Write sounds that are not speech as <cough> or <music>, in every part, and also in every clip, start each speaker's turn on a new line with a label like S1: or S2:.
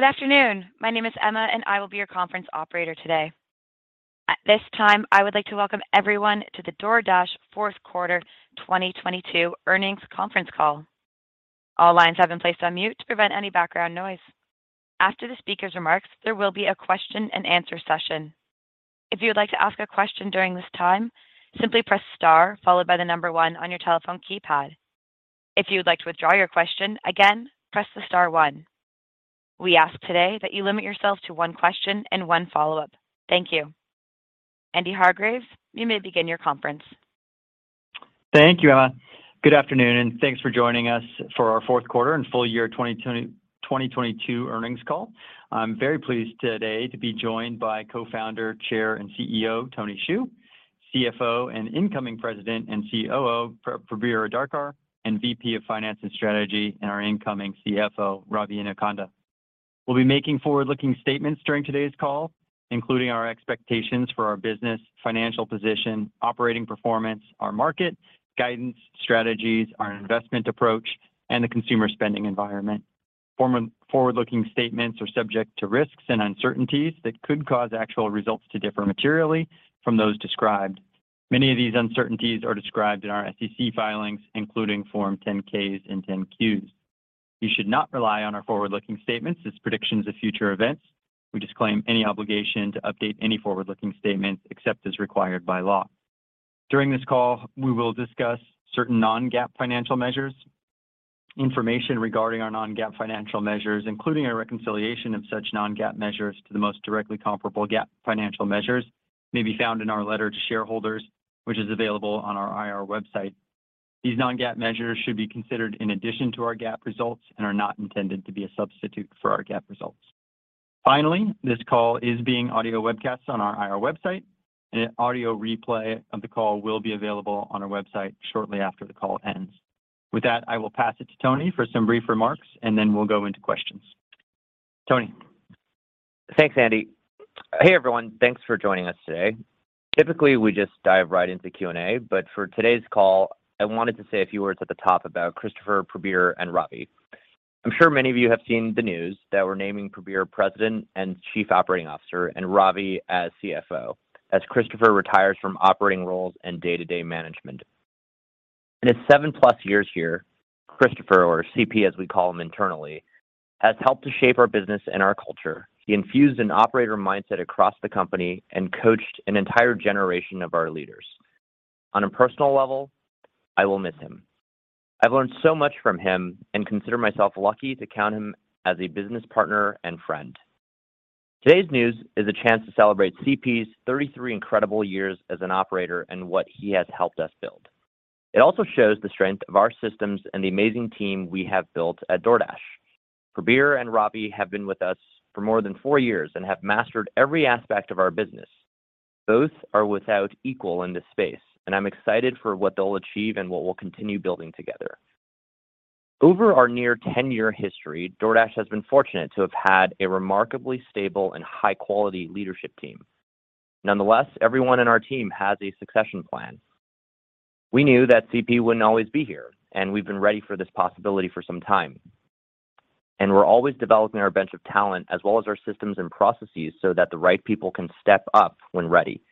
S1: Good afternoon. My name is Emma, and I will be your conference operator today. At this time, I would like to welcome everyone to the DoorDash Q4 2022 earnings conference call. All lines have been placed on mute to prevent any background noise. After the speaker's remarks, there will be a question and answer session. If you would like to ask a question during this time, simply press star followed by the number one on your telephone keypad. If you would like to withdraw your question, again, press the star one. We ask today that you limit yourself to one question and one follow up. Thank you. Andy Hargreaves, you may begin your conference.
S2: Thank you, Emma. Good afternoon, and thanks for joining us for our Q4 and full year 2022 earnings call. I'm very pleased today to be joined by Co-founder, Chair, and CEO, Tony Xu, CFO and incoming President and COO, Prabir Adarkar, and VP of Finance and Strategy and our incoming CFO, Ravi Inukonda. We'll be making forward-looking statements during today's call, including our expectations for our business, financial position, operating performance, our market, guidance, strategies, our investment approach, and the consumer spending environment. Forward-looking statements are subject to risks and uncertainties that could cause actual results to differ materially from those described. Many of these uncertainties are described in our SEC filings, including Form 10-Ks and 10-Qs. You should not rely on our forward-looking statements as predictions of future events. We disclaim any obligation to update any forward-looking statements except as required by law. During this call, we will discuss certain non-GAAP financial measures. Information regarding our non-GAAP financial measures, including a reconciliation of such non-GAAP measures to the most directly comparable GAAP financial measures, may be found in our letter to shareholders, which is available on our IR website. These non-GAAP measures should be considered in addition to our GAAP results and are not intended to be a substitute for our GAAP results. Finally, this call is being audio webcasted on our IR website, and an audio replay of the call will be available on our website shortly after the call ends. With that, I will pass it to Tony for some brief remarks, and then we'll go into questions. Tony.
S3: Thanks, Andy. Hey, everyone. Thanks for joining us today. Typically, we just dive right into the Q&A. For today's call, I wanted to say a few words at the top about Christopher, Prabir, and Ravi. I'm sure many of you have seen the news that we're naming Prabir President and Chief Operating Officer and Ravi as CFO as Christopher retires from operating roles and day-to-day management. In his 7+ years here, Christopher, or CP, as we call him internally, has helped to shape our business and our culture. He infused an operator mindset across the company and coached an entire generation of our leaders. On a personal level, I will miss him. I've learned so much from him and consider myself lucky to count him as a business partner and friend. Today's news is a chance to celebrate CP's 33 incredible years as an operator and what he has helped us build. It also shows the strength of our systems and the amazing team we have built at DoorDash. Prabir and Ravi have been with us for more than four years and have mastered every aspect of our business. Both are without equal in this space, and I'm excited for what they'll achieve and what we'll continue building together. Over our near 10 year history, DoorDash has been fortunate to have had a remarkably stable and high quality leadership team. Nonetheless, everyone on our team has a succession plan. We knew that CP wouldn't always be here, and we've been ready for this possibility for some time. We're always developing our bench of talent as well as our systems and processes so that the right people can step up when ready.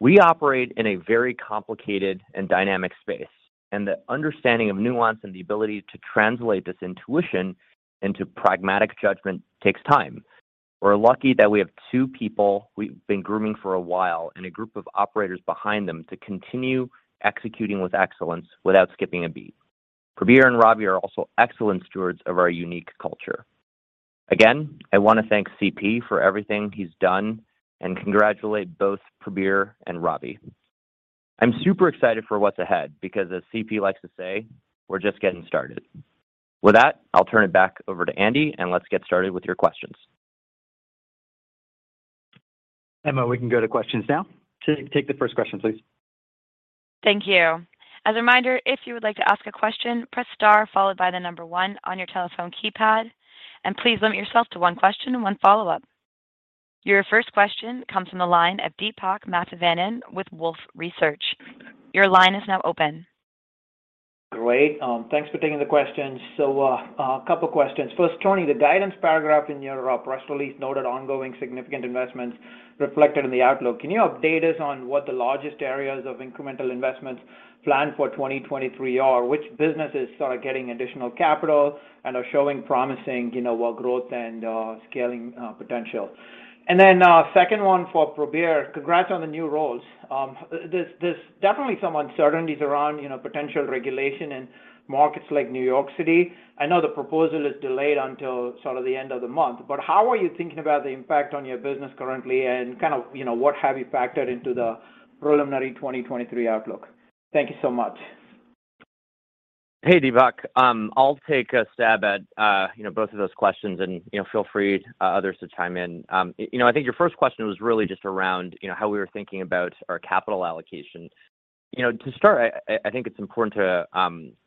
S3: We operate in a very complicated and dynamic space, and the understanding of nuance and the ability to translate this intuition into pragmatic judgment takes time. We're lucky that we have two people we've been grooming for a while and a group of operators behind them to continue executing with excellence without skipping a beat. Prabir and Ravi are also excellent stewards of our unique culture. I want to thank CP for everything he's done and congratulate both Prabir and Ravi. I'm super excited for what's ahead because, as CP likes to say, we're just getting started. With that, I'll turn it back over to Andy, and let's get started with your questions.
S2: Emma, we can go to questions now. Take the first question, please.
S1: Thank you. As a reminder, if you would like to ask a question, press star followed by the 1 on your telephone keypad. Please limit yourself to one question and one follow-up. Your first question comes from the line of Deepak Mathivanan with Wolfe Research. Your line is now open.
S4: Great. Thanks for taking the questions. A couple of questions. First, Tony, the guidance paragraph in your press release noted ongoing significant investments reflected in the outlook. Can you update us on what the largest areas of incremental investments planned for 2023 are? Which businesses are getting additional capital and are showing promising, you know, growth and scaling potential? Second one for Prabir. Congrats on the new roles. There's definitely some uncertainties around, you know, potential regulation in markets like New York City. I know the proposal is delayed until sort of the end of the month, but how are you thinking about the impact on your business currently, and kind of, you know, what have you factored into the preliminary 2023 outlook? Thank you so much.
S3: Hey, Deepak. I'll take a stab at, you know, both of those questions and, you know, feel free, others to chime in. You know, I think your first question was really just around, you know, how we were thinking about our capital allocation. You know, to start, I think it's important to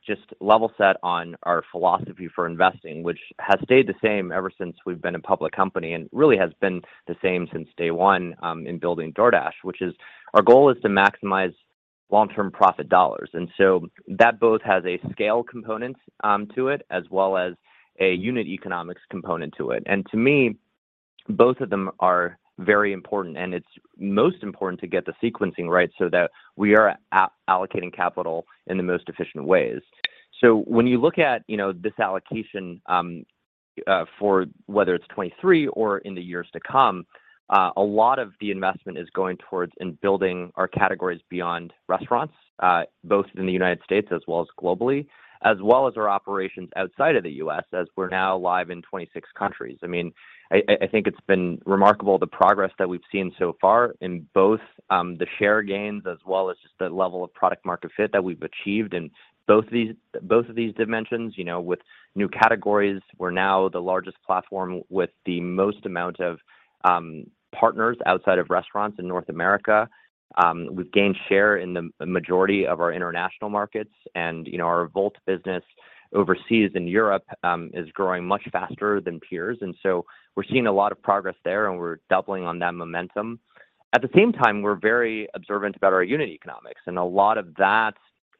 S3: just level set on our philosophy for investing, which has stayed the same ever since we've been a public company, and really has been the same since day one in building DoorDash. Which is our goal is to maximize long term profit dollars. That both has a scale component to it, as well as a unit economics component to it. To me, both of them are very important, and it's most important to get the sequencing right so that we are allocating capital in the most efficient ways. When you look at, you know, this allocation for whether it's 2023 or in the years to come, a lot of the investment is going towards in building our categories beyond restaurants, both in the United States as well as globally, as well as our operations outside of the US as we're now live in 26 countries. I mean, I think it's been remarkable the progress that we've seen so far in both the share gains as well as just the level of product market fit that we've achieved in both of these dimensions. You know, with new categories, we're now the largest platform with the most amount of partners outside of restaurants in North America. We've gained share in the majority of our international markets and, you know, our Wolt business overseas in Europe is growing much faster than peers. We're seeing a lot of progress there, and we're doubling on that momentum. At the same time, we're very observant about our unit economics and a lot of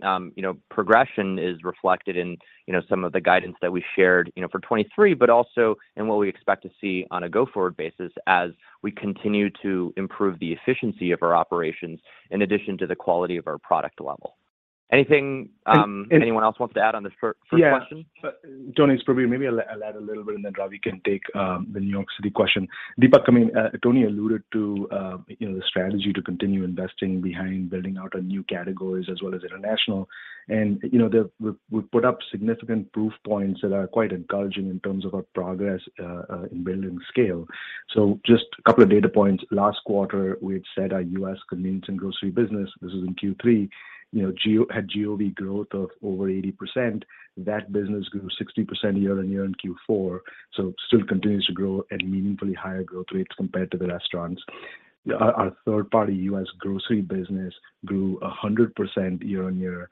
S3: that, you know, progression is reflected in, you know, some of the guidance that we shared, you know, for 2023, but also in what we expect to see on a go forward basis as we continue to improve the efficiency of our operations in addition to the quality of our product level. Anything anyone else wants to add on this first question?
S5: Yeah. Tony, it's Prabir. Maybe I'll add a little bit then Ravi can take the New York City question. Deepak, I mean, Tony alluded to, you know, the strategy to continue investing behind building out our new categories as well as international. you know, we've put up significant proof points that are quite encouraging in terms of our progress in building scale. just a couple of data points. Last quarter, we had said our US convenience and grocery business, this is in Q3, you know, had GOV growth of over 80%. That business grew 60% year-on-year in Q4, so still continues to grow at meaningfully higher growth rates compared to the restaurants. Our third-party US grocery business grew 100% year-on-year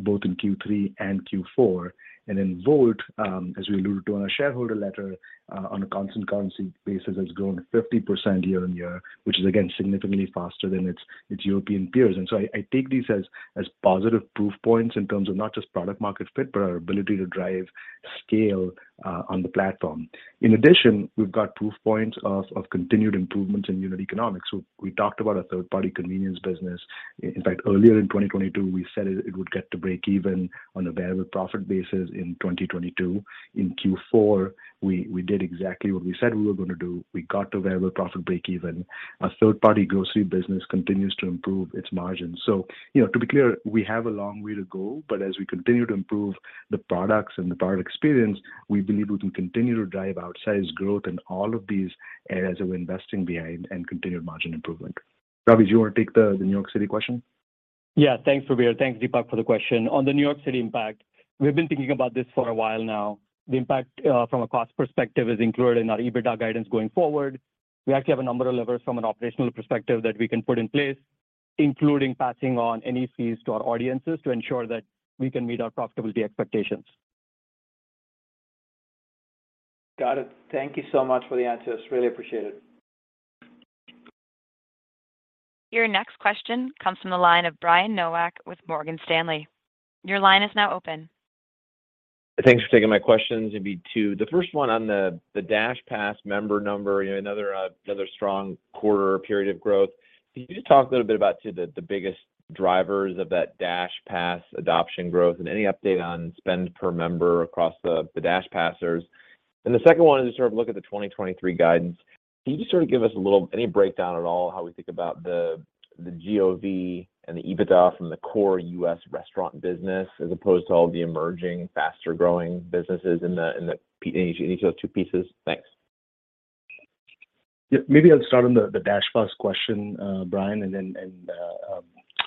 S5: both in Q3 and Q4. In Wolt, as we <inaudible> to on our shareholder letter, on a constant currency basis, has grown 50% year-on-year, which is again, significantly faster than its European peers. I take these as positive proof points in terms of not just product market fit, but our ability to drive scale on the platform. In addition, we've got proof points of continued improvements in unit economics. We talked about our third-party convenience business. In fact, earlier in 2022, we said it would get to breakeven on a variable profit basis in 2022. In Q4, we did exactly what we said we were gonna do. We got to variable profit breakeven. Our third party grocery business continues to improve its margins. You know, to be clear, we have a long way to go, but as we continue to improve the products and the product experience, we believe we can continue to drive outsized growth in all of these areas we're investing behind and continued margin improvement. Ravi, do you wanna take the New York City question?
S6: Thanks, Prabir. Thanks, Deepak, for the question. On the New York City impact, we've been thinking about this for a while now. The impact from a cost perspective is included in our EBITDA guidance going forward. We actually have a number of levers from an operational perspective that we can put in place, including passing on any fees to our audiences to ensure that we can meet our profitability expectations.
S4: Got it. Thank you so much for the answers. Really appreciate it.
S1: Your next question comes from the line of Brian Nowak with Morgan Stanley. Your line is now open.
S7: Thanks for taking my questions. It'll be two. The first one on the DashPass member number. You know, another strong quarter period of growth. Can you just talk a little bit about sort of the biggest drivers of that DashPass adoption growth and any update on spend per member across the DashPassers? The second one is to sort of look at the 2023 guidance. Can you just sort of give us a little any breakdown at all how we think about the GOV and the EBITDA from the core US restaurant business as opposed to all the emerging, faster-growing businesses in the each of those two pieces? Thanks.
S5: Yeah. Maybe I'll start on the DashPass question, Brian, and then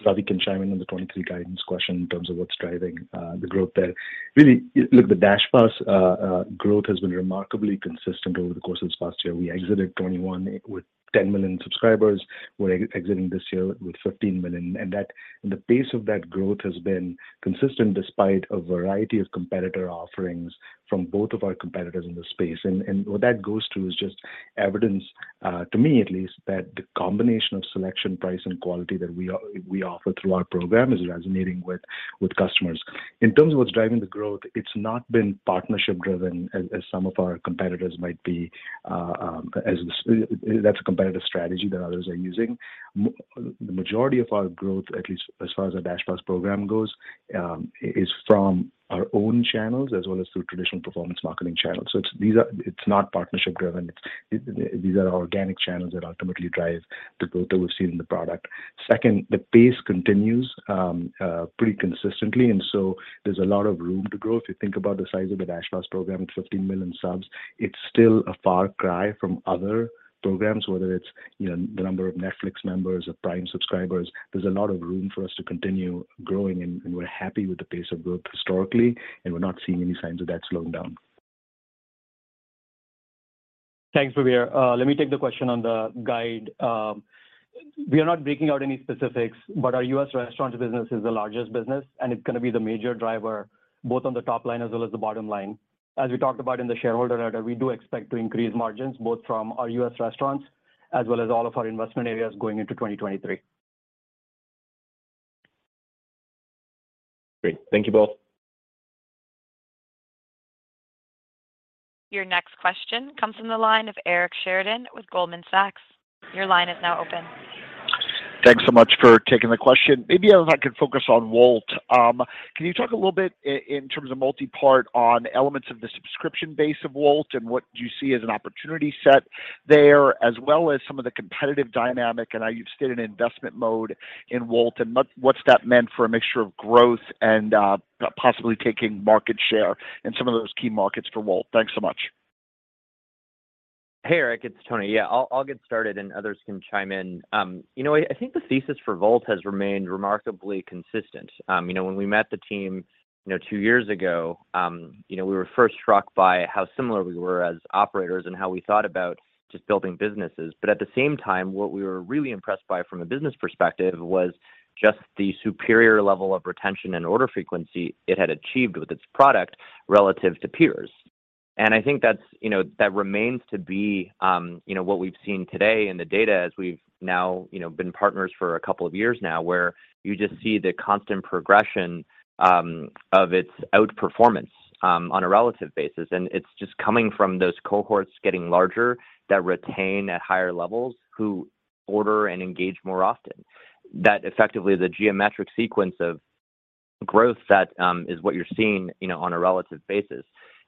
S5: Ravi can chime in on the 2023 guidance question in terms of what's driving the growth there. Really, look, the DashPass growth has been remarkably consistent over the course of this past year. We exited 2021 with 10 million subscribers. We're exiting this year with 15 million, and the pace of that growth has been consistent despite a variety of competitor offerings from both of our competitors in the space. What that goes to is just evidence, to me at least, that the combination of selection, price, and quality that we offer through our program is resonating with customers. In terms of what's driving the growth, it's not been partnership driven as some of our competitors might be. That's a competitive strategy that others are using. The majority of our growth, at least as far as our DashPass program goes, is from our own channels as well as through traditional performance marketing channels. It's not partnership driven. These are organic channels that ultimately drive the growth that we've seen in the product. Second, the pace continues pretty consistently. There's a lot of room to grow. If you think about the size of the DashPass program at 15 million subs, it's still a far cry from other programs, whether it's, you know, the number of Netflix members or Prime subscribers. There's a lot of room for us to continue growing and we're happy with the pace of growth historically, and we're not seeing any signs of that slowing down.
S6: Thanks, Prabir. Let me take the question on the guide. We are not breaking out any specifics, but our US restaurant business is the largest business. It's gonna be the major driver both on the top line as well as the bottom line. As we talked about in the shareholder letter, we do expect to increase margins both from our US restaurants as well as all of our investment areas going into 2023.
S5: Great. Thank you both.
S1: Your next question comes from the line of Eric Sheridan with Goldman Sachs. Your line is now open.
S8: Thanks so much for taking the question. Maybe if I could focus on Wolt. Can you talk a little bit in terms of multipart on elements of the subscription base of Wolt and what you see as an opportunity set there, as well as some of the competitive dynamic and how you've stayed in investment mode in Wolt and what's that meant for a mixture of growth and possibly taking market share in some of those key markets for Wolt? Thanks so much.
S3: Hey, Eric, it's Tony. Yeah, I'll get started and others can chime in. You know what? I think the thesis for Wolt has remained remarkably consistent. You know, when we met the team, you know, two years ago, you know, we were first struck by how similar we were as operators and how we thought about just building businesses. At the same time, what we were really impressed by from a business perspective was just the superior level of retention and order frequency it had achieved with its product relative to peers. I think that's, you know, that remains to be, you know, what we've seen today in the data as we've now, you know, been partners for a couple of years now, where you just see the constant progression of its outperformance on a relative basis. It's just coming from those cohorts getting larger that retain at higher levels who order and engage more often. That effectively the geometric sequence of growth that is what you're seeing, you know, on a relative basis.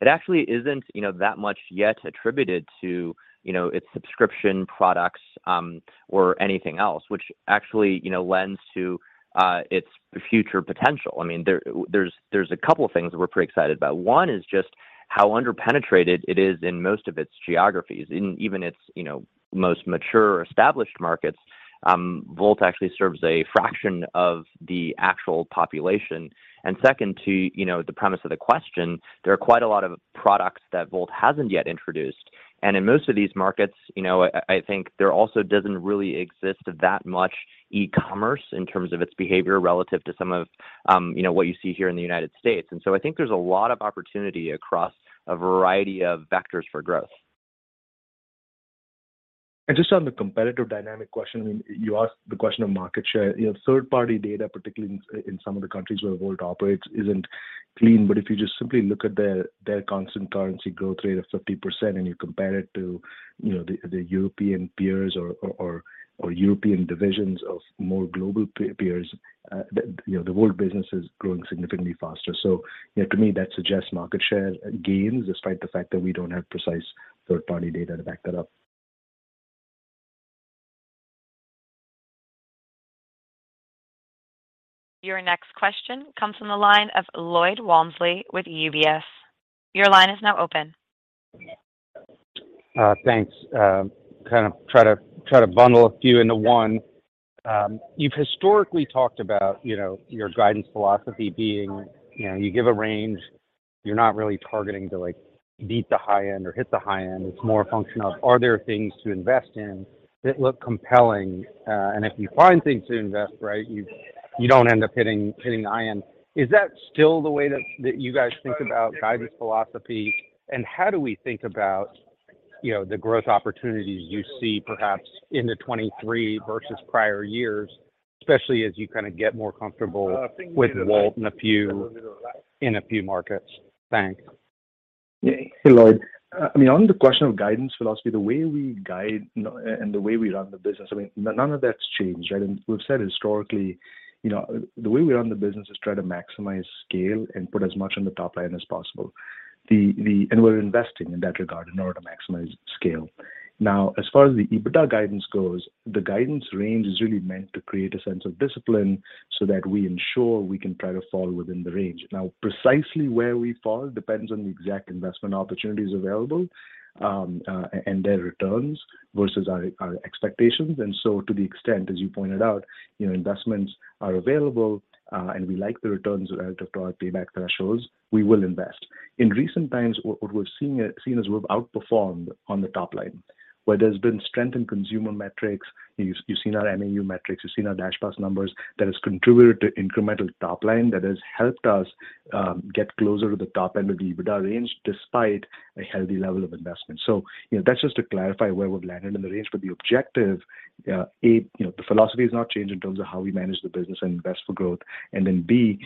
S3: It actually isn't, you know, that much yet attributed to, you know, its subscription products or anything else, which actually, you know, lends to its future potential. I mean, there's a couple of things that we're pretty excited about. One is just how under penetrated it is in most of its geographies. In even its, you know, most mature or established markets, Wolt actually serves a fraction of the actual population. Second to, you know, the premise of the question, there are quite a lot of products that Wolt hasn't yet introduced. In most of these markets, you know, I think there also doesn't really exist that much e-commerce in terms of its behavior relative to some of, you know, what you see here in the United States. I think there's a lot of opportunity across a variety of vectors for growth.
S5: Just on the competitive dynamic question, I mean, you asked the question of market share. You know, third-party data, particularly in some of the countries where Wolt operates, isn't clean. If you just simply look at their constant currency growth rate of 50% and you compare it to, you know, the European peers or European divisions of more global peers, the, you know, the Wolt business is growing significantly faster. You know, to me, that suggests market share gains despite the fact that we don't have precise third-party data to back that up.
S1: Your next question comes from the line of Lloyd Walmsley with UBS. Your line is now open.
S9: Thanks. Kind of try to bundle a few into one. You've historically talked about, you know, your guidance philosophy being, you know, you give a range, you're not really targeting to, like, beat the high end or hit the high end. It's more a function of are there things to invest in that look compelling. If you find things to invest, right, you don't end up hitting the high end. Is that still the way that you guys think about guidance philosophy? How do we think about, you know, the growth opportunities you see perhaps into 2023 versus prior years, especially as you kind of get more comfortable with Wolt in a few markets? Thanks.
S5: Yeah. Hey, Lloyd. I mean, on the question of guidance philosophy, the way we guide and the way we run the business, I mean, none of that's changed, right? We've said historically, you know, the way we run the business is try to maximize scale and put as much on the top line as possible. We're investing in that regard in order to maximize scale. Now, as far as the EBITDA guidance goes, the guidance range is really meant to create a sense of discipline so that we ensure we can try to fall within the range. Now, precisely where we fall depends on the exact investment opportunities available, and their returns versus our expectations. To the extent, as you pointed out, you know, investments are available, and we like the returns relative to our payback thresholds, we will invest. In recent times, what we've seen is we've outperformed on the top line, where there's been strength in consumer metrics. You've seen our MAU metrics, you've seen our DashPass numbers. That has contributed to incremental top line that has helped us get closer to the top end of the EBITDA range despite a healthy level of investment. You know, that's just to clarify where we've landed in the range. The objective, A, you know, the philosophy has not changed in terms of how we manage the business and invest for growth. B,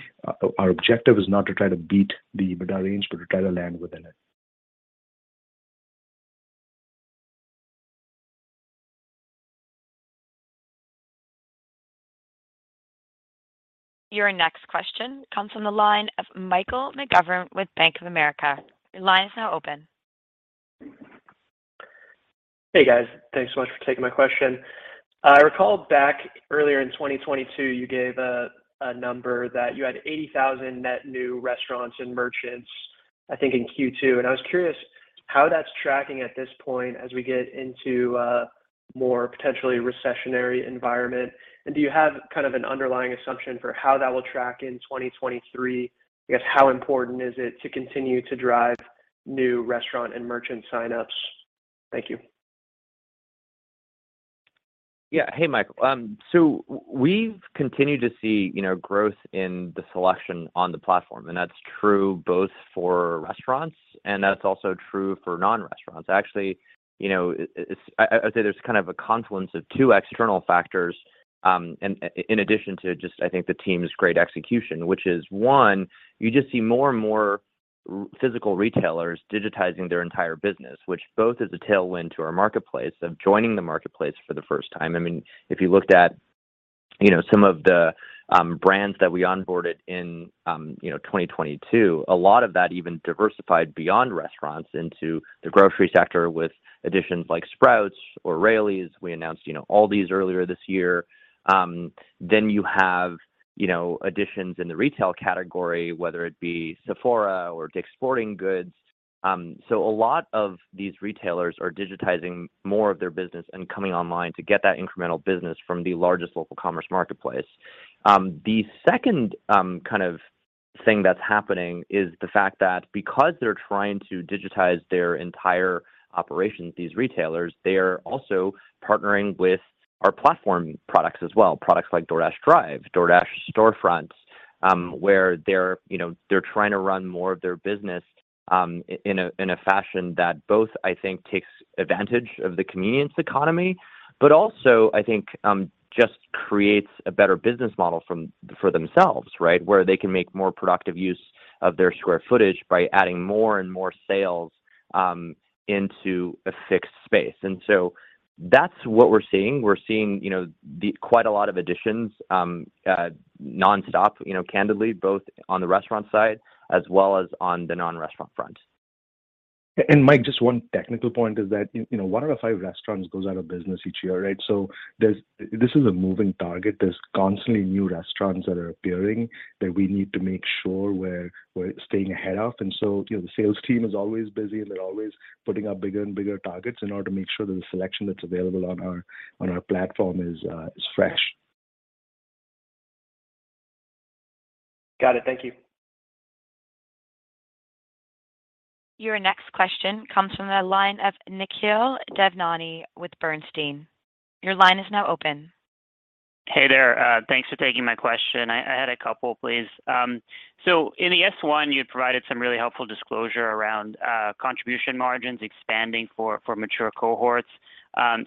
S5: our objective is not to try to beat the EBITDA range, but to try to land within it.
S1: Your next question comes from the line of Michael McGranahan with Bank of America. Your line is now open.
S10: Hey, guys. Thanks so much for taking my question. I recall back earlier in 2022, you gave a number that you had 80,000 net new restaurants and merchants, I think in Q2. I was curious how that's tracking at this point as we get into a more potentially recessionary environment. Do you have kind of an underlying assumption for how that will track in 2023? I guess, how important is it to continue to drive new restaurant and merchant sign ups? Thank you.
S3: Yeah. Hey, Michael. We've continued to see, you know, growth in the selection on the platform, and that's true both for restaurants, and that's also true for non-restaurants. Actually, you know, I'd say there's kind of a confluence of two external factors, and in addition to just, I think, the team's great execution. One, you just see more and more physical retailers digitizing their entire business, which both is a tailwind to our marketplace of joining the marketplace for the first time. I mean, if you looked at, you know, some of the brands that we onboarded in 2022, a lot of that even diversified beyond restaurants into the grocery sector with additions like Sprouts or Raley's. We announced, you know, all these earlier this year. You have, you know, additions in the retail category, whether it be Sephora or Dick's Sporting Goods. A lot of these retailers are digitizing more of their business and coming online to get that incremental business from the largest local commerce marketplace. The second kind of thing that's happening is the fact that because they're trying to digitize their entire operations, these retailers, they are also partnering with our platform products as well, products like DoorDash Drive, DoorDash Storefronts, where they're, you know, they're trying to run more of their business in a fashion that both, I think, takes advantage of the convenience economy, but also I think, just creates a better business model for themselves, right? Where they can make more productive use of their square footage by adding more and more sales, into a fixed space. That's what we're seeing. We're seeing, you know, quite a lot of additions, nonstop, you know, candidly, both on the restaurant side as well as on the non-restaurant front.
S5: Mike, just one technical point is that, you know, one out of five restaurants goes out of business each year, right? This is a moving target. There's constantly new restaurants that are appearing that we need to make sure we're staying ahead of. You know, the sales team is always busy, and they're always putting up bigger and bigger targets in order to make sure that the selection that's available on our platform is fresh.
S10: Got it. Thank you.
S1: Your next question comes from the line of Nikhil Devnani with Bernstein. Your line is now open.
S11: Hey there. Thanks for taking my question. I had a couple, please. In the S1, you had provided some really helpful disclosure around contribution margins expanding for mature cohorts.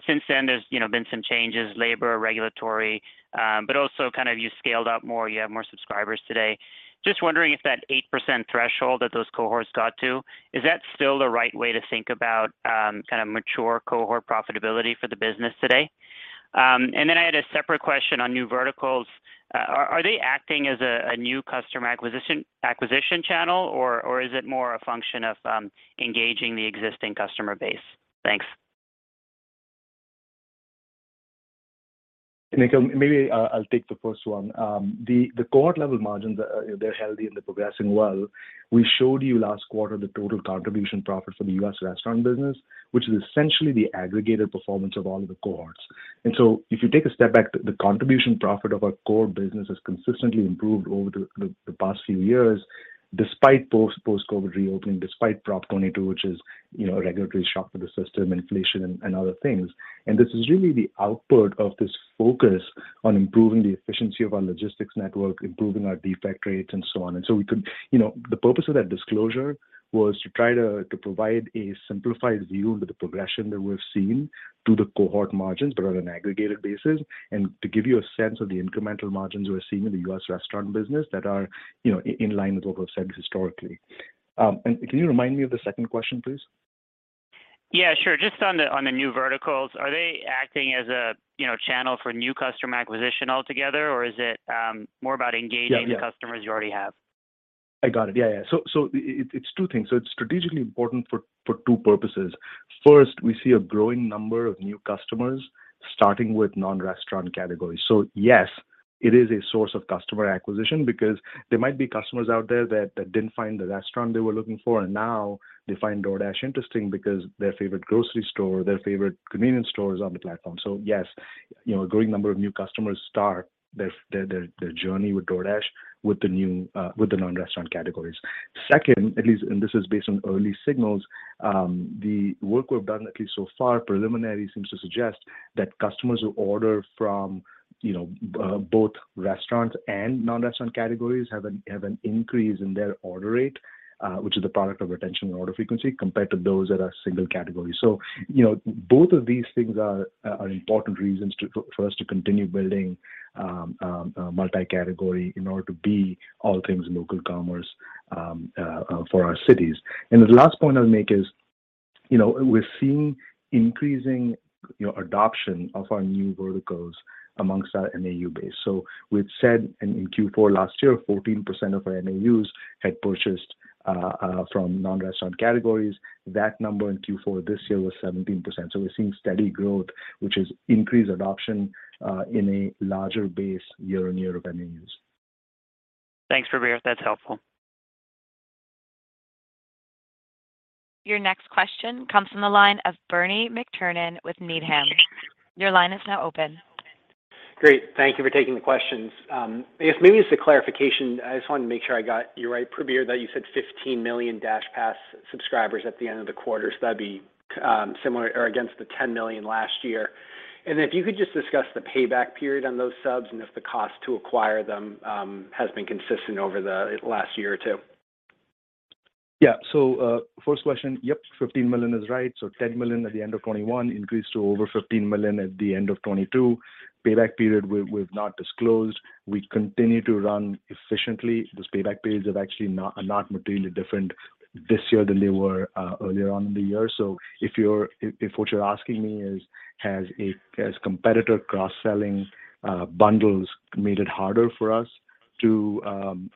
S11: Since then, there's, you know, been some changes, labor, regulatory, but also kind of you scaled up more, you have more subscribers today. Just wondering if that 8% threshold that those cohorts got to, is that still the right way to think about kind of mature cohort profitability for the business today? I had a separate question on new verticals. Are they acting as a new customer acquisition channel, or is it more a function of engaging the existing customer base? Thanks.
S5: Nikhil, maybe I'll take the first one. The cohort level margins, they're healthy and they're progressing well. We showed you last quarter the total contribution profit for the US restaurant business, which is essentially the aggregated performance of all of the cohorts. If you take a step back, the contribution profit of our core business has consistently improved over the past few years, despite post-COVID reopening, despite Proposition 22, which is, you know, a regulatory shock to the system, inflation and other things. This is really the output of this focus on improving the efficiency of our logistics network, improving our defect rates and so on. We could, you know, the purpose of that disclosure was to try to provide a simplified view into the progression that we've seen to the cohort margins, but on an aggregated basis, and to give you a sense of the incremental margins we're seeing in the US restaurant business that are, you know, in line with what we've said historically. Can you remind me of the second question, please?
S11: Yeah, sure. Just on the new verticals, are they acting as a, you know, channel for new customer acquisition altogether, or is it, more about engaging the customers you already have?
S5: I got it. Yeah. Yeah. It's two things. It's strategically important for two purposes. First, we see a growing number of new customers starting with non-restaurant categories. Yes, it is a source of customer acquisition because there might be customers out there that didn't find the restaurant they were looking for, and now they find DoorDash interesting because their favorite grocery store, their favorite convenience store is on the platform. Yes, you know, a growing number of new customers start their journey with DoorDash with the new non-restaurant categories. Second, at least, this is based on early signals, the work we've done, at least so far, preliminary, seems to suggest that customers who order from both restaurants and non-restaurant categories have an increase in their order rate, which is a product of retention and order frequency compared to those that are single category. Both of these things are important reasons for us to continue building multi-category in order to be all things local commerce for our cities. The last point I'll make is we're seeing increasing adoption of our new verticals amongst our MAU base. We've said in Q4 last year, 14% of our MAUs had purchased from non-restaurant categories. That number in Q4 this year was 17%. We're seeing steady growth, which is increased adoption, in a larger base year-on-year of MAUs.
S11: Thanks, Prabir. That's helpful.
S1: Your next question comes from the line of Bernie McTernan with Needham. Your line is now open.
S7: Great. Thank you for taking the questions. I guess maybe it's a clarification. I just wanted to make sure I got you right, Prabir, that you said 15 million DashPass subscribers at the end of the quarter. That'd be similar or against the 10 million last year. If you could just discuss the payback period on those subs and if the cost to acquire them has been consistent over the last year or two.
S5: First question. Yep, 15 million is right. 10 million at the end of 2021 increased to over 15 million at the end of 2022. Payback period we've not disclosed. We continue to run efficiently. Those payback periods are not materially different this year than they were earlier on in the year. If what you're asking me is, has competitor cross-selling bundles made it harder for us to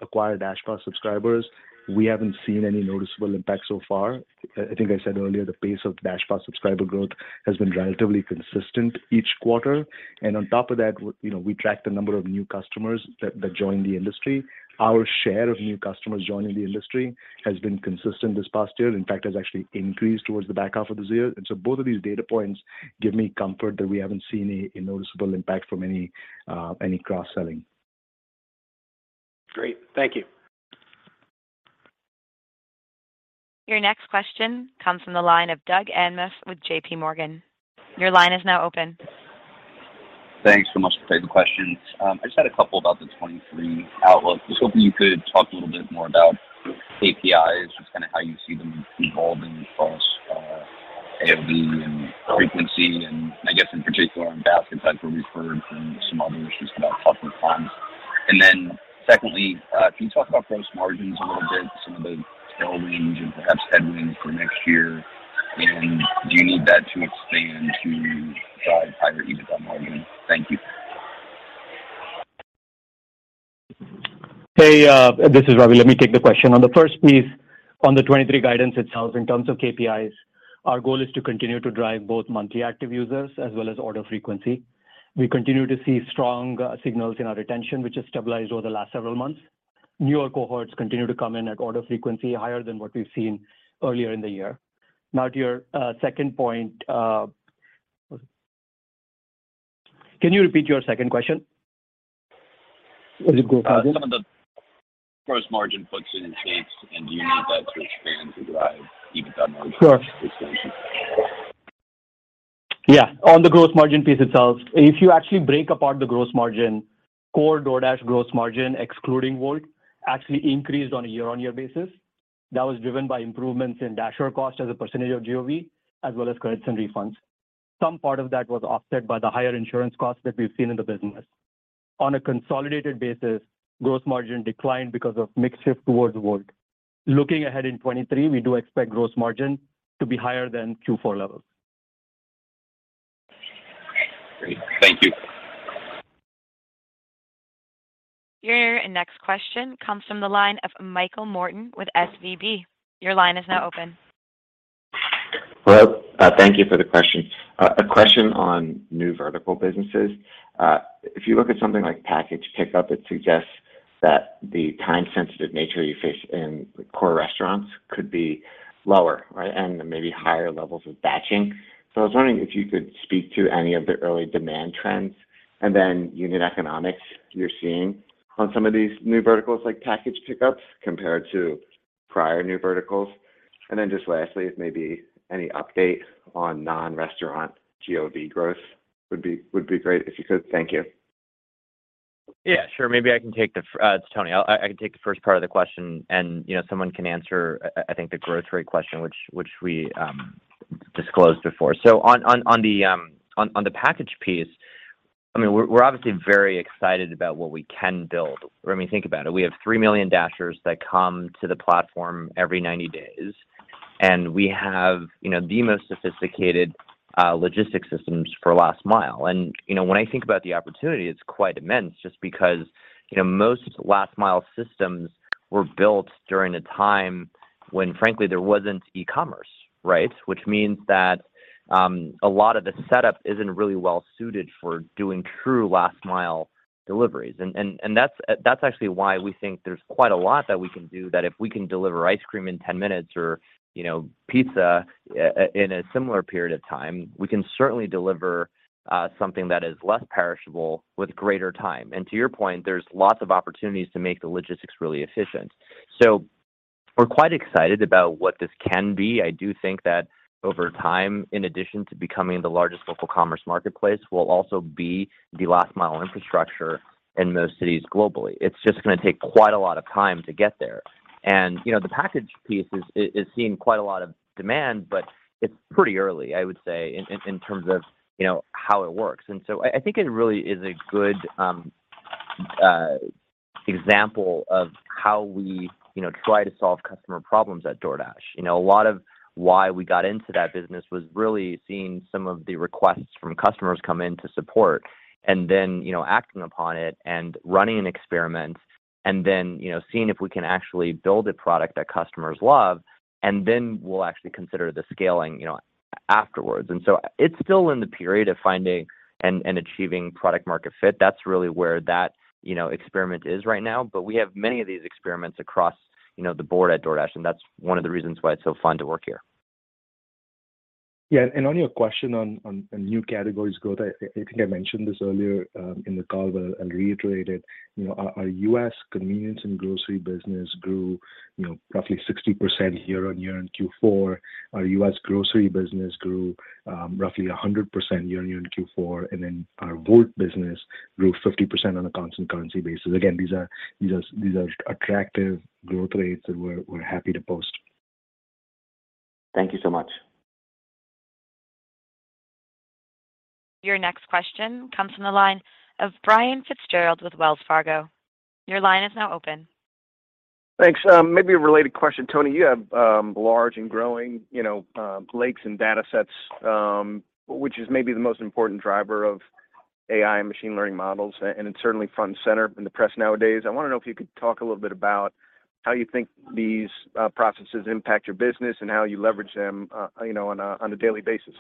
S5: acquire DashPass subscribers, we haven't seen any noticeable impact so far. I think I said earlier, the pace of DashPass subscriber growth has been relatively consistent each quarter. On top of that, you know, we tracked the number of new customers that joined the industry. Our share of new customers joining the industry has been consistent this past year. In fact, has actually increased towards the back half of this year. Both of these data points give me comfort that we haven't seen a noticeable impact from any cross-selling.
S12: Great. Thank you.
S1: Your next question comes from the line of Doug Anmuth with JPMorgan. Your line is now open.
S12: Thanks so much for taking the questions. I just had a couple about the 2023 outlook. I was hoping you could talk a little bit more about KPIs, just kinda how you see them evolving across AOV and frequency, and I guess in particular on baskets that were referred from some other issues about customer plans. Secondly, can you talk about gross margins a little bit, some of the tailwinds and perhaps headwinds for next year, and do you need that to expand to drive higher EBITDA margins? Thank you.
S5: Hey, this is Ravi. Let me take the question. On the first piece, on the 2023 guidance itself, in terms of KPIs, our goal is to continue to drive both monthly active users as well as order frequency. We continue to see strong signals in our retention, which has stabilized over the last several months. Newer cohorts continue to come in at order frequency higher than what we've seen earlier in the year. To your second point, Can you repeat your second question? Or the growth question?
S12: Some of the gross margin puts and takes, do you need that to expand to drive EBITDA margin expansion?
S5: Sure. Yeah. On the gross margin piece itself, if you actually break apart the gross margin, core DoorDash gross margin, excluding Wolt, actually increased on a year-on-year basis. That was driven by improvements in Dasher cost as a percentage of GOV, as well as credits and refunds. Some part of that was offset by the higher insurance costs that we've seen in the business. On a consolidated basis, gross margin declined because of mix shift towards Wolt. Looking ahead in 2023, we do expect gross margin to be higher than Q4 levels.
S12: Great. Thank you.
S1: Your next question comes from the line of Michael Morton with SVB. Your line is now open.
S13: Hello. Thank you for the question. A question on new vertical businesses. If you look at something like package pickup, it suggests that the time sensitive nature you face in core restaurants could be lower, right? Maybe higher levels of batching. I was wondering if you could speak to any of the early demand trends, then unit economics you're seeing on some of these new verticals like package pickups compared to prior new verticals. Then just lastly, if maybe any update on non-restaurant GOV growth would be great if you could. Thank you.
S3: Yeah, sure. Maybe I can take it's Tony. I'll, I can take the first part of the question and, you know, someone can answer, I think the grocery question, which we disclosed before. On the package piece, I mean, we're obviously very excited about what we can build. I mean, think about it. We have three million Dashers that come to the platform every 90 days, and we have, you know, the most sophisticated logistics systems for last mile. You know, when I think about the opportunity, it's quite immense just because, you know, most last mile systems were built during a time when, frankly, there wasn't e-commerce, right? Which means that a lot of the setup isn't really well suited for doing true last mile deliveries. And that's actually why we think there's quite a lot that we can do that if we can deliver ice cream in 10 minutes or, you know, pizza in a similar period of time, we can certainly deliver something that is less perishable with greater time. To your point, there's lots of opportunities to make the logistics really efficient. We're quite excited about what this can be. I do think that over time, in addition to becoming the largest local commerce marketplace, we'll also be the last mile infrastructure in most cities globally. It's just gonna take quite a lot of time to get there. You know, the package piece is seeing quite a lot of demand, but it's pretty early, I would say, in terms of, you know, how it works. I think it really is a good example of how we, you know, try to solve customer problems at DoorDash. You know, a lot of why we got into that business was really seeing some of the requests from customers come in to support and then, you know, acting upon it and running experiments and then, you know, seeing if we can actually build a product that customers love, and then we'll actually consider the scaling, you know, afterwards. It's still in the period of finding and achieving product market fit. That's really where that, you know, experiment is right now. We have many of these experiments across, you know, the board at DoorDash, and that's one of the reasons why it's so fun to work here.
S5: On your question on new categories growth, I think I mentioned this earlier in the call, but I'll reiterate it. You know, our US convenience and grocery business grew, you know, roughly 60% year-over-year in Q4. Our US grocery business grew roughly 100% year-over-year in Q4. Our Wolt business grew 50% on a constant currency basis. Again, these are attractive growth rates that we're happy to post.
S13: Thank you so much.
S1: Your next question comes from the line of Brian Fitzgerald with Wells Fargo. Your line is now open.
S14: Thanks. Maybe a related question. Tony, you have large and growing, you know, lakes and data sets, which is maybe the most important driver of AI and machine learning models, and it's certainly front and center in the press nowadays. I wanna know if you could talk a little bit about how you think these processes impact your business and how you leverage them, you know, on a daily basis.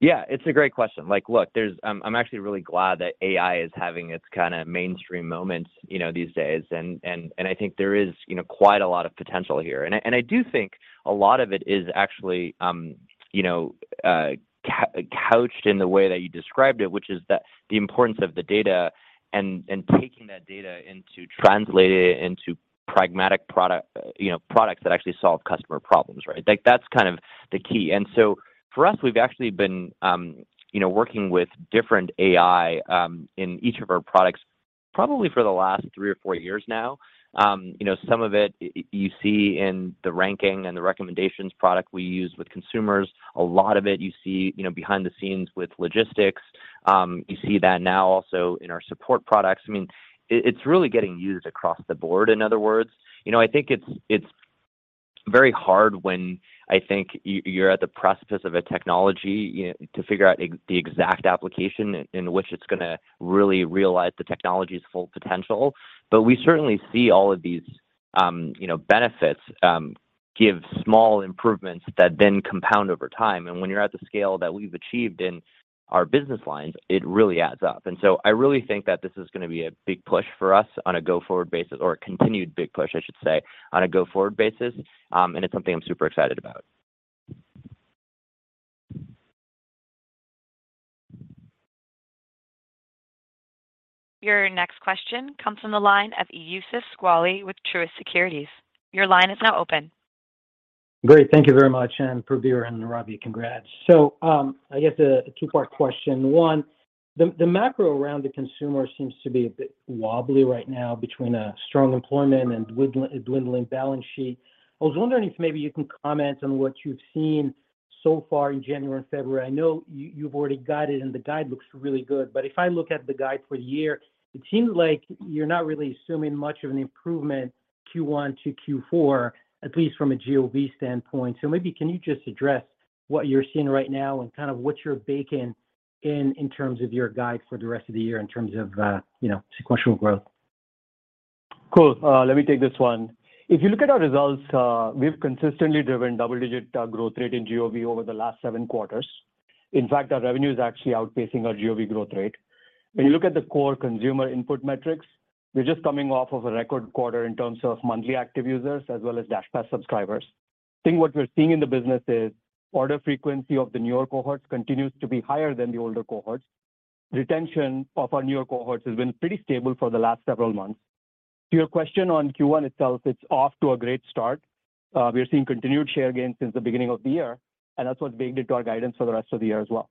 S3: Yeah, it's a great question. Like, look, I'm actually really glad that AI is having its kind of mainstream moment, you know, these days. I think there is, you know, quite a lot of potential here. I do think a lot of it is actually, you know, couched in the way that you described it, which is that the importance of the data and taking that data and to translate it into pragmatic product, you know, products that actually solve customer problems, right? Like, that's kind of the key. For us, we've actually been, you know, working with different AI in each of our products probably for the last three years or four years now. You know, some of it, you see in the ranking and the recommendations product we use with consumers. A lot of it you see, you know, behind the scenes with logistics. You see that now also in our support products. I mean, it's really getting used across the board, in other words. You know, I think it's very hard when I think you're at the precipice of a technology, you know, to figure out the exact application in which it's gonna really realize the technology's full potential. We certainly see all of these, you know, benefits, give small improvements that then compound over time. When you're at the scale that we've achieved in our business lines, it really adds up. I really think that this is gonna be a big push for us on a go-forward basis, or a continued big push, I should say, on a go-forward basis. It's something I'm super excited about.
S1: Your next question comes from the line of Youssef Squali with Truist Securities. Your line is now open.
S15: Great. Thank you very much. Prabir and Ravi, congrats. I guess a two-part question. One, the macro around the consumer seems to be a bit wobbly right now between a strong employment and dwindling balance sheet. I was wondering if maybe you can comment on what you've seen so far in January and February. I know you've already guided, and the guide looks really good, If I look at the guide for the year, it seems like you're not really assuming much of an improvement Q1 to Q4, at least from a GOV standpoint. Maybe can you just address what you're seeing right now and kind of what you're baking in in terms of your guide for the rest of the year in terms of, you know, sequential growth?
S6: Cool. Let me take this one. If you look at our results, we've consistently driven double digit growth rate in GOV over the last seven quarters. In fact, our revenue is actually outpacing our GOV growth rate. When you look at the core consumer input metrics, we're just coming off of a record quarter in terms of Monthly Active Users as well as DashPass subscribers. I think what we're seeing in the business is order frequency of the newer cohorts continues to be higher than the older cohorts. Retention of our newer cohorts has been pretty stable for the last several months. To your question on Q1 itself, it's off to a great start. We're seeing continued share gains since the beginning of the year, That's what's baked into our guidance for the rest of the year as well.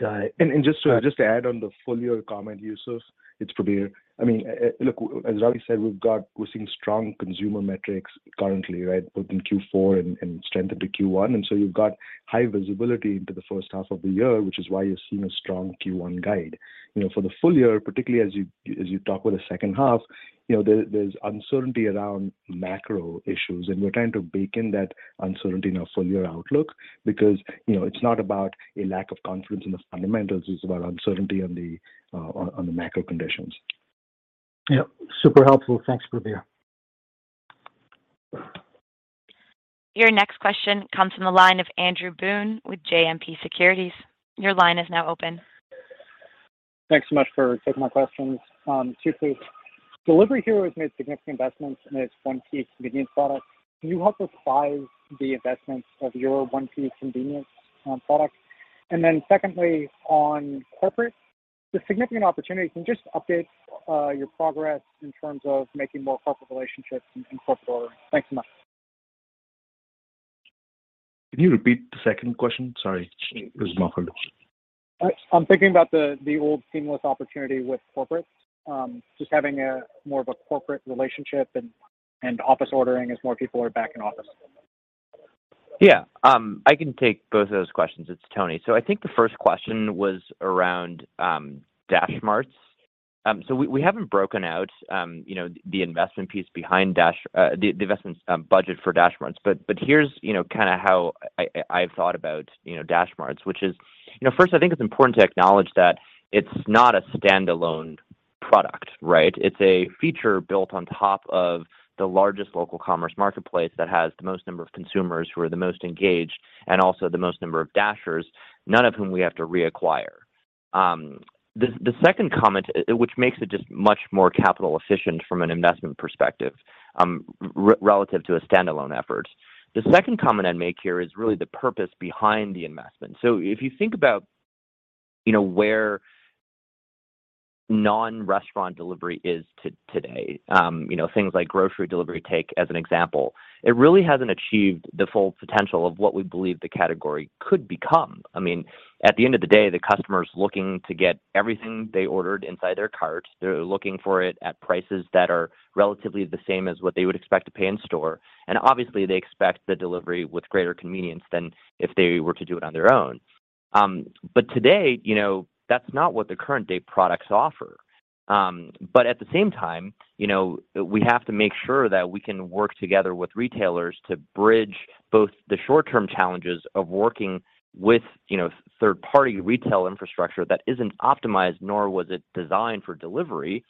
S15: Got it.
S5: Just to add on the full year comment, Youssef Squali, it's Prabir Adarkar. I mean, look, as Ravi Inukonda said, we're seeing strong consumer metrics currently, right? Both in Q4 and strengthened to Q1, and so you've got high visibility into the first half of the year, which is why you're seeing a strong Q1 guide. You know, for the full year, particularly as you talk about the second half, you know, there's uncertainty around macro issues, and we're trying to bake in that uncertainty in our full year outlook because, you know, it's not about a lack of confidence in the fundamentals, it's about uncertainty on the macro conditions.
S15: Yep. Super helpful. Thanks, Prabir.
S1: Your next question comes from the line of Andrew Boone with JMP Securities. Your line is now open.
S16: Thanks so much for taking my questions. Two please. Delivery Hero has made significant investments in its `1P convenience product. Can you help us size the investments of your 1P convenience product? Secondly, on corporate, the significant opportunity, can you just update your progress in terms of making more corporate relationships in corporate ordering? Thanks so much.
S5: Can you repeat the second question? Sorry. It was muffled.
S16: I'm thinking about the old Seamless opportunity with corporate. Just having a more of a corporate relationship and office ordering as more people are back in office.
S3: Yeah. I can take both of those questions. It's Tony. I think the first question was around DashMart. We haven't broken out, you know, the investment piece behind the investment budget for DashMart, but here's, you know, kinda how I've thought about, you know, DashMart, which is, you know, first I think it's important to acknowledge that it's not a standalone product, right? It's a feature built on top of the largest local commerce marketplace that has the most number of consumers who are the most engaged, and also the most number of Dashers, none of whom we have to reacquire. The second comment, which makes it just much more capital efficient from an investment perspective, relative to a standalone effort. The second comment I'd make here is really the purpose behind the investment. If you think about, you know, where non-restaurant delivery is today, you know, things like grocery delivery take, as an example, it really hasn't achieved the full potential of what we believe the category could become. I mean, at the end of the day, the customer's looking to get everything they ordered inside their cart. They're looking for it at prices that are relatively the same as what they would expect to pay in store. Obviously, they expect the delivery with greater convenience than if they were to do it on their own. Today, you know, that's not what the current day products offer. At the same time, you know, we have to make sure that we can work together with retailers to bridge both the short-term challenges of working with, third-party retail infrastructure that isn't optimized, nor was it designed for delivery.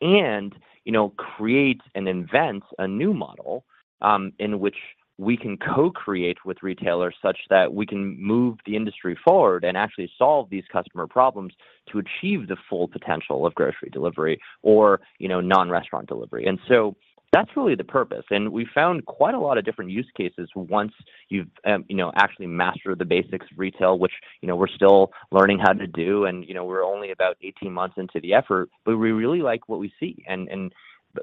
S3: Create and invent a new model, in which we can co-create with retailers such that we can move the industry forward and actually solve these customer problems to achieve the full potential of grocery delivery or non-restaurant delivery. That's really the purpose. We found quite a lot of different use cases once you've actually mastered the basics of retail, which we're still learning how to do. We're only about 18 months into the effort, but we really like what we see.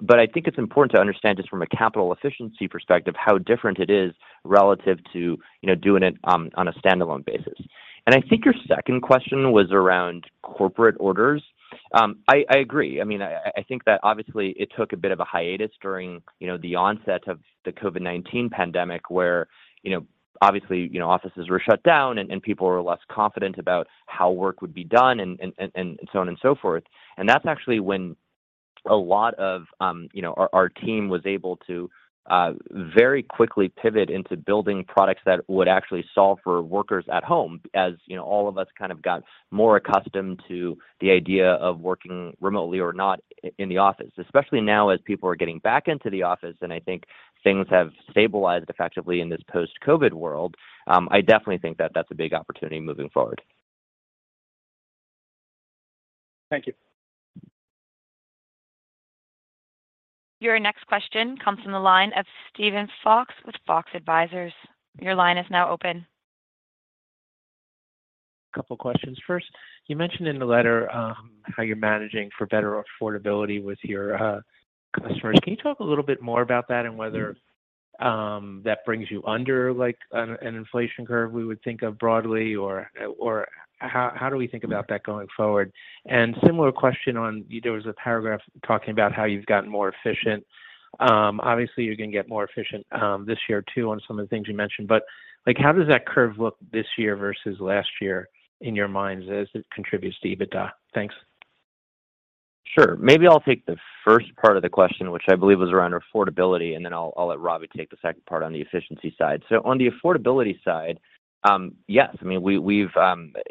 S3: I think it's important to understand just from a capital efficiency perspective, how different it is relative to, you know, doing it on a standalone basis. I think your second question was around corporate orders. I agree. I mean, I think that obviously it took a bit of a hiatus during, you know, the onset of the COVID-19 pandemic where, you know, obviously, you know, offices were shut down and people were less confident about how work would be done and so on and so forth. That's actually when a lot of, you know, our team was able to very quickly pivot into building products that would actually solve for workers at home. As, you know, all of us kind of got more accustomed to the idea of working remotely or not in the office. Especially now as people are getting back into the office, I think things have stabilized effectively in this post-COVID world. I definitely think that that's a big opportunity moving forward.
S12: Thank you.
S1: Your next question comes from the line of Steven Fox with Fox Advisors. Your line is now open.
S17: A couple questions. First, you mentioned in the letter, how you're managing for better affordability with your customers. Can you talk a little bit more about that and whether that brings you under like an inflation curve we would think of broadly or how do we think about that going forward? Similar question on there was a paragraph talking about how you've gotten more efficient. Obviously you're gonna get more efficient this year too, on some of the things you mentioned, but like how does that curve look this year versus last year in your minds as it contributes to EBITDA? Thanks.
S3: Sure. Maybe I'll take the first part of the question, which I believe was around affordability, and then I'll let Ravi take the second part on the efficiency side. On the affordability side, yes, I mean, we've,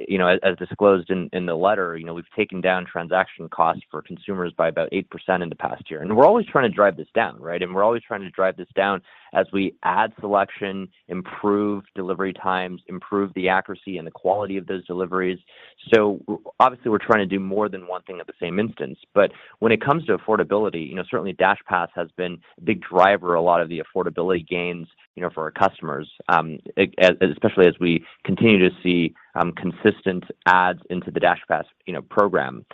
S3: you know, as disclosed in the letter, you know, we've taken down transaction costs for consumers by about 8% in the past year. We're always trying to drive this down, right? We're always trying to drive this down as we add selection, improve delivery times, improve the accuracy and the quality of those deliveries. Obviously we're trying to do more than one thing at the same instance. When it comes to affordability, you know, certainly DashPass has been a big driver, a lot of the affordability gains, you know, for our customers, especially as we continue to see consistent adds into the DashPass, you know, program.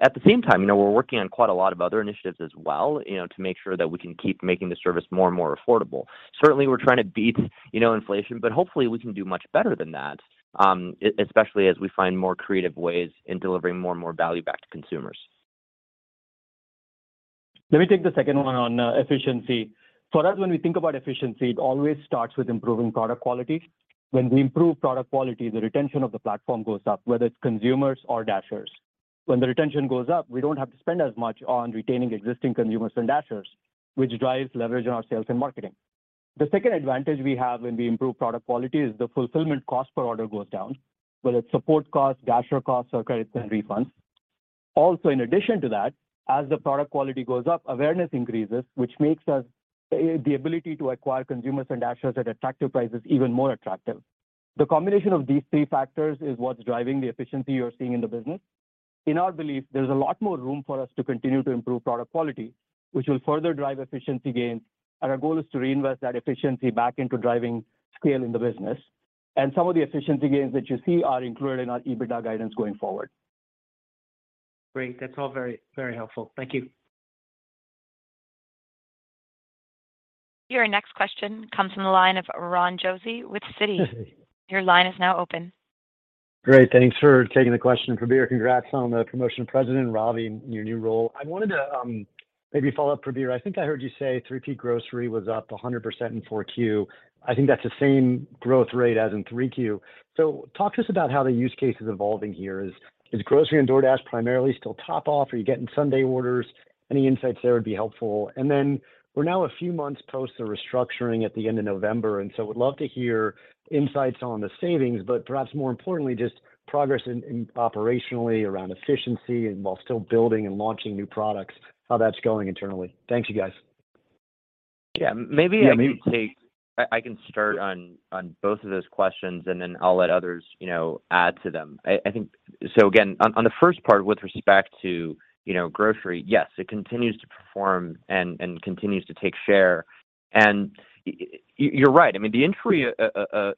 S3: At the same time, you know, we're working on quite a lot of other initiatives as well, you know, to make sure that we can keep making the service more and more affordable. Certainly, we're trying to beat, you know, inflation, but hopefully we can do much better than that, especially as we find more creative ways in delivering more and more value back to consumers.
S6: Let me take the second one on, efficiency. For us, when we think about efficiency, it always starts with improving product quality. When we improve product quality, the retention of the platform goes up, whether it's consumers or Dashers. When the retention goes up, we don't have to spend as much on retaining existing consumers and Dashers, which drives leverage on our sales and marketing. The second advantage we have when we improve product quality is the fulfillment cost per order goes down, whether it's support costs, Dasher costs, or credits and refunds. Also, in addition to that, as the product quality goes up, awareness increases, which makes us the ability to acquire consumers and Dashers at attractive prices even more attractive. The combination of these three factors is what's driving the efficiency you're seeing in the business. In our belief, there's a lot more room for us to continue to improve product quality, which will further drive efficiency gains, and our goal is to reinvest that efficiency back into driving scale in the business. Some of the efficiency gains that you see are included in our EBITDA guidance going forward.
S17: Great. That's all very, very helpful. Thank you.
S1: Your next question comes from the line of Ronald Josey with Citi. Your line is now open.
S18: Great. Thanks for taking the question. Prabir, congrats on the promotion, President Ravi, in your new role. I wanted to maybe follow up, Prabir. I think I heard you say three peak grocery was up 100% in Q4. I think that's the same growth rate as in Q3. Talk to us about how the use case is evolving here. Is grocery and DoorDash primarily still top off? Are you getting Sunday orders? Any insights there would be helpful. We're now a few months post the restructuring at the end of November, would love to hear insights on the savings, but perhaps more importantly, just progress in operationally around efficiency and while still building and launching new products, how that's going internally. Thanks, you guys.
S3: Yeah, maybe I can start on both of those questions and then I'll let others, you know, add to them. I think Again, on the first part with respect to, you know, grocery, yes, it continues to perform and continues to take share. You're right. I mean, the entry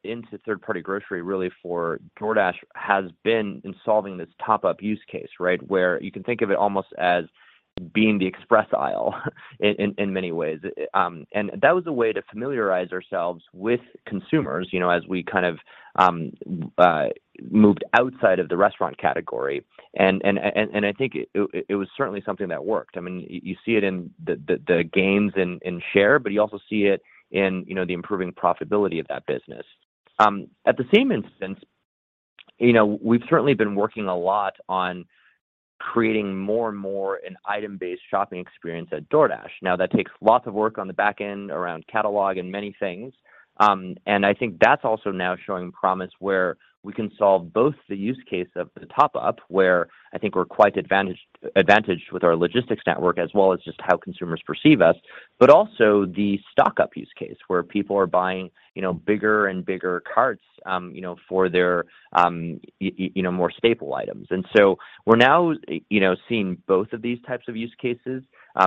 S3: into third party grocery really for DoorDash has been in solving this top up use case, right? Where you can think of it almost as being the express aisle in many ways. That was a way to familiarize ourselves with consumers, you know, as we kind of moved outside of the restaurant category. I think it was certainly something that worked. I mean, you see it in the gains in share, but you also see it in, you know, the improving profitability of that business. At the same instance, you know, we've certainly been working a lot on creating more and more an item based shopping experience at DoorDash. That takes lots of work on the back end around catalog and many things. I think that's also now showing promise where we can solve both the use case of the top up, where I think we're quite advantaged with our logistics network, as well as just how consumers perceive us. Also the stock-up use case, where people are buying, you know, bigger and bigger carts, you know, for their, you know, more staple items. We're now, you know, seeing both of these types of use cases,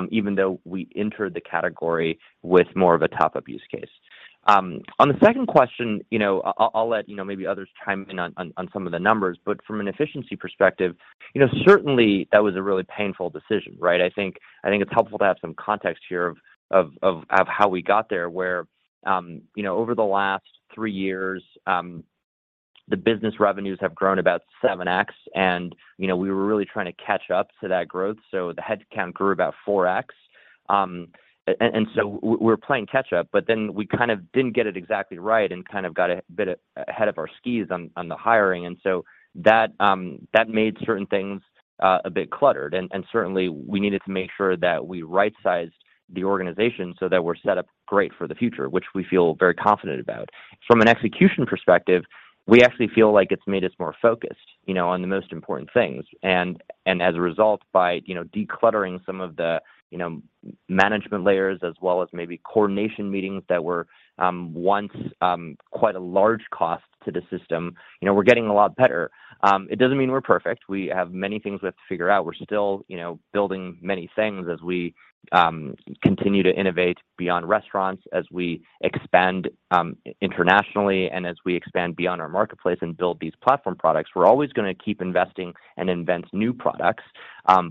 S3: even though we entered the category with more of a top up use case. On the second question, you know, I'll let you know maybe others chime in on some of the numbers, but from an efficiency perspective, you know, certainly that was a really painful decision, right? I think it's helpful to have some context here of how we got there, where, you know, over the last three years, the business revenues have grown about 7x. You know, we were really trying to catch up to that growth, so the headcount grew about 4x. We're playing catch up, but then we kind of didn't get it exactly right and kind of got a bit ahead of our skis on the hiring. That made certain things a bit cluttered. Certainly we needed to make sure that we right sized the organization so that we're set up great for the future, which we feel very confident about. From an execution perspective, we actually feel like it's made us more focused, you know, on the most important things. As a result, by, you know, decluttering some of the, you know, management layers as well as maybe coordination meetings that were once quite a large cost to the system, you know, we're getting a lot better. It doesn't mean we're perfect. We have many things we have to figure out. We're still, you know, building many things as we continue to innovate beyond restaurants, as we expand internationally, and as we expand beyond our marketplace and build these platform products. We're always gonna keep investing and invent new products,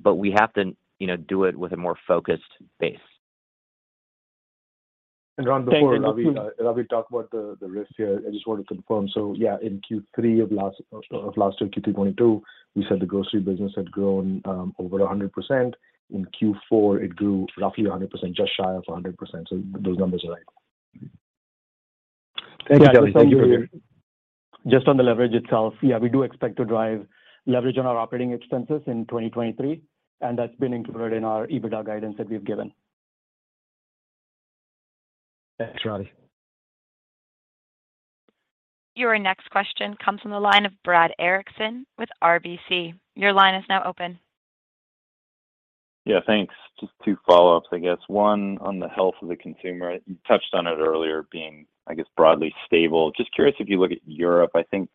S3: but we have to, you know, do it with a more focused base.
S5: Ron, before Ravi talk about the risk here, I just wanted to confirm. Yeah, in Q3 of last year, Q3 2022, we said the grocery business had grown over 100%. In Q4, it grew roughly 100%, just shy of 100%. Those numbers are right.
S3: Thanks, Prabir.
S6: Just on the leverage itself, yeah, we do expect to drive leverage on our operating expenses in 2023, and that's been included in our EBITDA guidance that we've given.
S3: Thanks, Ravi.
S1: Your next question comes from the line of Brad Erickson with RBC. Your line is now open.
S19: Yeah, thanks. Just two follow-ups, I guess. One, on the health of the consumer, you touched on it earlier being, I guess, broadly stable. Just curious if you look at Europe, I think,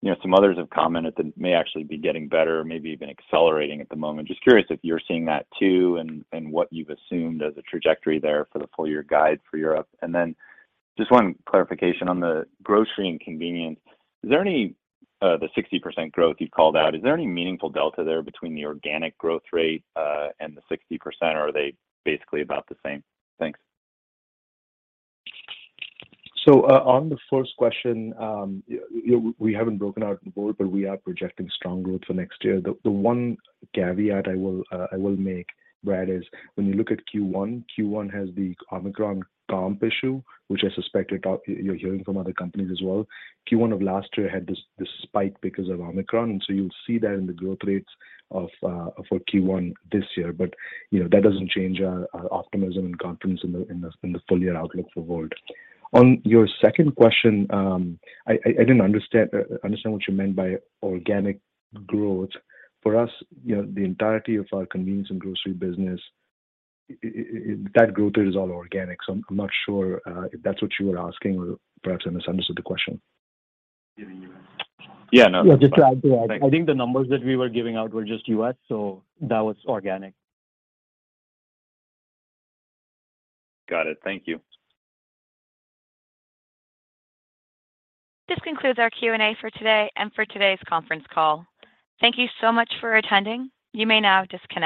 S19: you know, some others have commented that it may actually be getting better or maybe even accelerating at the moment. Just curious if you're seeing that too and what you've assumed as a trajectory there for the full year guide for Europe. Just one clarification on the grocery and convenience. Is there any, the 60% growth you've called out, is there any meaningful delta there between the organic growth rate, and the 60%, or are they basically about the same? Thanks.
S5: On the first question, you know, we haven't broken out in bold, but we are projecting strong growth for next year. The one caveat I will make, Brad, is when you look at Q1 has the Omicron comp issue, which I suspect you're hearing from other companies as well. Q1 of last year had this spike because of OMICRON, you'll see that in the growth rates for Q1 this year. You know, that doesn't change our optimism and confidence in the full year outlook for Wolt. On your second question, I didn't understand what you meant by organic growth. For us, you know, the entirety of our convenience and grocery business, that growth rate is all organic. I'm not sure if that's what you were asking, or perhaps I misunderstood the question.
S19: Yeah, no.
S3: <crosstalk> Just to add to that, I think the numbers that we were giving out were just US, so that was organic.
S19: Got it. Thank you.
S1: This concludes our Q&A for today and for today's conference call. Thank you so much for attending. You may now disconnect.